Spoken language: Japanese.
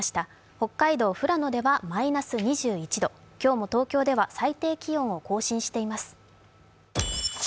北海道・富良野ではマイナス２１度、今日も東京では最低気温を更新しています。